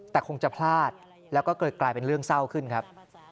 แต่คงจะพลาดแล้วก็เกิดกลายเป็นเรื่องเศร้าขึ้นครับ